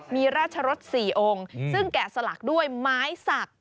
มีราชรส๔องค์ซึ่งแกะสลักด้วยไม้สัก